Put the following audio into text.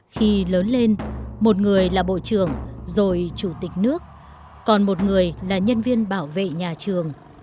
khi lớn lên một người là bộ trưởng rồi chủ tịch nước còn một người là nhân viên bảo vệ nhà trường